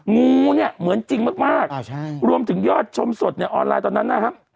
งูเนี่ยเหมือนจริงมากรวมถึงยอดชมสดในออนไลน์ตอนนั้นนะครับ